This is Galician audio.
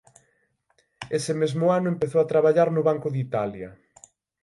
Ese mesmo ano empezou a traballar no Banco de Italia.